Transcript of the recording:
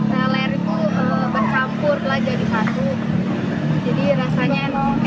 seler itu bercampur lagi jadi satu jadi rasanya